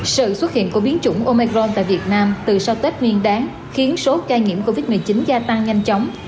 sự xuất hiện của biến chủng omecron tại việt nam từ sau tết nguyên đáng khiến số ca nhiễm covid một mươi chín gia tăng nhanh chóng